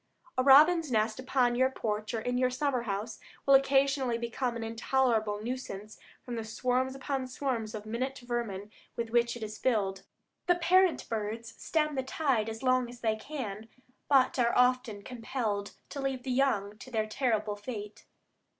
A robin's nest upon your porch or in your summer house will occasionally become an intolerable nuisance from the swarms upon swarms of minute vermin with which it is filled. The parent birds stem the tide as long as they can, but are often compelled to leave the young to their terrible fate.